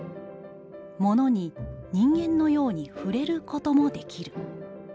「物に人間のように『ふれる』こともできる」。